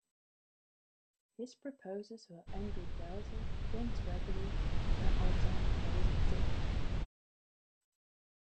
His proposers were Andrew Dalzel, James Gregory and Alexander Fraser Tytler.